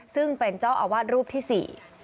ซึ่งเป็นเจ้าอาวาสรูปที่สี่